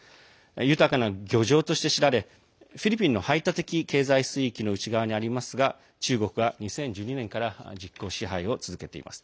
豊かな漁場として知られフィリピンの排他的経済水域の内側にありますが中国が２０１２年から実効支配を続けています。